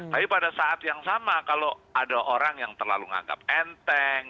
tapi pada saat yang sama kalau ada orang yang terlalu menganggap enteng